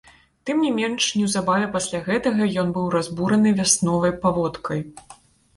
Тым не менш, неўзабаве пасля гэтага ён быў разбураны вясновай паводкай.